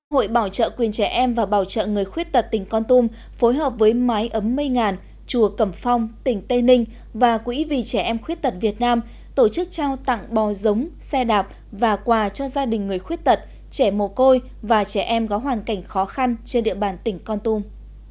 hội bảo trợ quyền trẻ em và bảo trợ người khuyết tật tỉnh con tum phối hợp với mái ấm mây ngàn chùa cẩm phong tỉnh tây ninh và quỹ vì trẻ em khuyết tật việt nam tổ chức trao tặng bò giống xe đạp và quà cho gia đình người khuyết tật trẻ mồ côi và trẻ em có hoàn cảnh khó khăn trên địa bàn tỉnh con tum